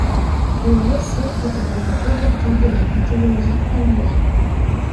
Le récif est lieu important de la mythologie paluane.